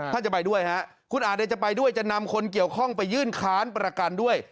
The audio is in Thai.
จะไปด้วยฮะคุณอาจจะไปด้วยจะนำคนเกี่ยวข้องไปยื่นค้านประกันด้วย